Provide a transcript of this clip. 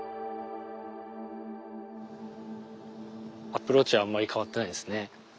アプローチはあんまり変わってないですね。